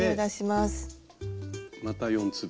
また４粒。